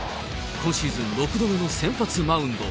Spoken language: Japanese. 今シーズン６度目の先発マウンド。